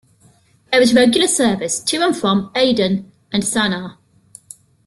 There is regular service to and from Aden and Sana'a.